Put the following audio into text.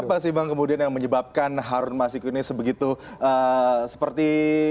apa sih bang kemudian yang menyebabkan harun masiku ini sebegitu seperti